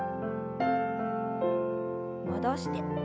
戻して。